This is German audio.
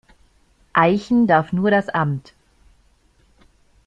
Eichen darf nur das Amt.